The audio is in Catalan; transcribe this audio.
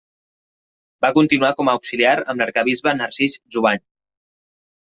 Va continuar com a auxiliar amb l'arquebisbe Narcís Jubany.